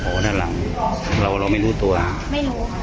ถ้าท่านเอาเมล่ท่านเข้ามาได้หุ่วเข้าเลย